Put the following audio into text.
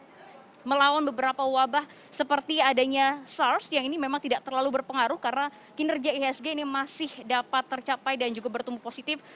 kita melawan beberapa wabah seperti adanya sars yang ini memang tidak terlalu berpengaruh karena kinerja ihsg ini masih dapat tercapai dan juga bertumbuh positif